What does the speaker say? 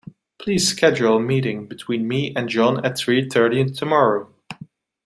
Please schedule a meeting between me and John at three thirty tomorrow.